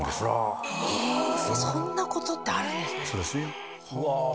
そんなことってあるんですね。